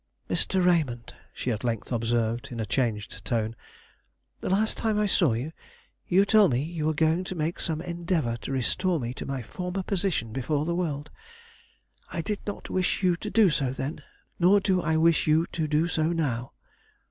"Mr. Raymond," she at length observed, in a changed tone, "the last time I saw you, you told me you were going to make some endeavor to restore me to my former position before the world. I did not wish you to do so then; nor do I wish you to do so now.